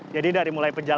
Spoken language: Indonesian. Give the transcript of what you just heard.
jadi dari mulai pagi ke pagi